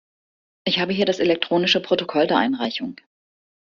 Ich habe hier das elektronische Protokoll der Einreichung.